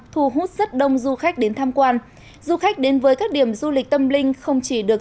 thu hút rất đông du khách đến tham quan du khách đến với các điểm du lịch tâm linh không chỉ được